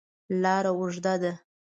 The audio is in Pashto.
لاره اوږده ده.